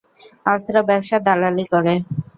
অস্ত্র ব্যবসার দালালী করে।